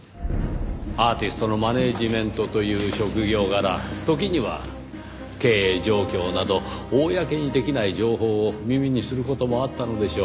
アーティストのマネジメントという職業柄時には経営状況など公にできない情報を耳にする事もあったのでしょう。